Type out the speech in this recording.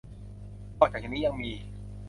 นอกจากนี้ยังมี